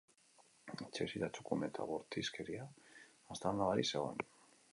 Etxebizitza txukun eta bortizkeria aztarna barik zegoen.